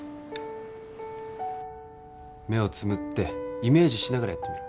目をつむってイメージしながらやってみろ。